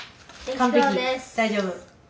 大丈夫？